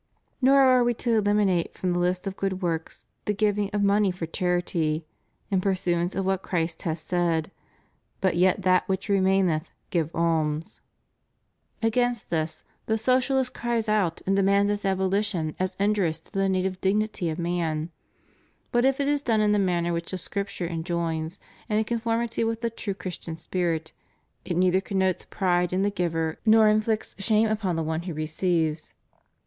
Nor are we to eliminate from the Hst of good works the giving of money for charity, in pursuance of what Christ has said: But yet that which remaineth, give alms.* * Matt. XXV. 35. ^ Acts x 38. 'Mark vii. 2. 'Luke xi. 41. 488 CHRISTIAN DEMOCRACY. Against tliis, the Socialist cries out and demands its aboli tion as injurious to the native dignity of man. But if it is done in the manner which the Scripture enjoins/ and in conformity with the true Christian spirit, it neither connotes pride in the giver nor inflicts shame upon the one who receives.